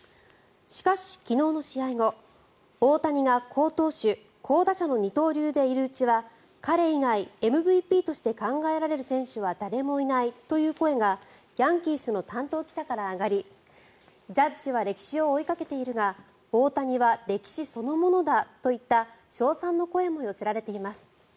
しかし昨日の試合後大谷が好投手、好打者の二刀流でいるうちは彼以外、ＭＶＰとして考えられる選手は誰もいないという声がヤンキースの担当記者から上がりジャッジは歴史を追いかけているが大谷は歴史そのものだといった称賛の声も寄せられています。